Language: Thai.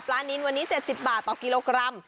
นินวันนี้๗๐บาทต่อกิโลกรัม